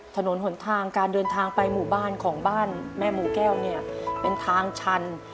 ถนนหนทางการเดินทางไปหมู่บ้านของบ้านแม่หมูแก้วเนี่ยเป็นทางชัน